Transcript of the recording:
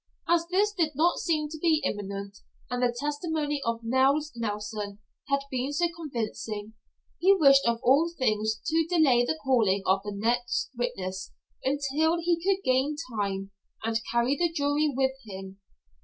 As this did not seem to be imminent, and the testimony of Nels Nelson had been so convincing, he wished of all things to delay the calling of the next witness until he could gain time, and carry the jury with him.